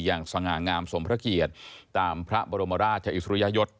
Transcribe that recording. สง่างามสมพระเกียรติตามพระบรมราชอิสริยยศ